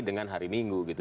dengan hari minggu